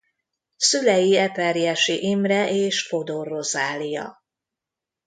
Szülei Eperjesi Imre és Fodor Rozália.